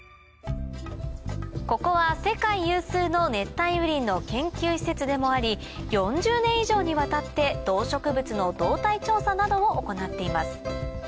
ここは世界有数の熱帯雨林の研究施設でもあり４０年以上にわたって動植物の動態調査などを行っています